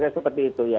seperti itu ya